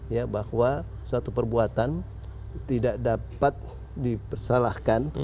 ya bahwa suatu perbuatan tidak dapat dipersalahkan